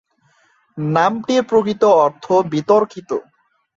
নামটির প্রকৃত অর্থ বিতর্কিত।